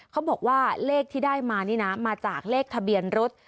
เขาบอกว่าเลขที่ได้มานี่นะมาจากเลขทะเบียนรถ